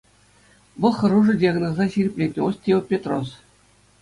Вӑл хӑрушӑ диагноза ҫирӗплетнӗ -- остеопетроз.